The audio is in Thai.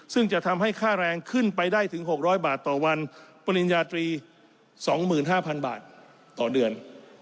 ซึ่งจะทำให้ค่าแรงขึ้นไปได้ถึงหกร้อยบาทต่อวันปริญญาตรีสองหมื่นห้าพันบาทต่อเดือน